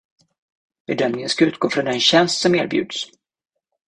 Bedömningen ska utgå från den tjänst som erbjuds.